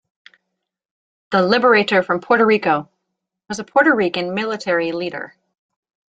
The Liberator from Puerto Rico, was a Puerto Rican military leader.